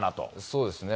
そうですね。